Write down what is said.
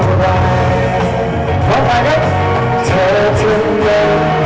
ขอบคุณทุกเรื่องราว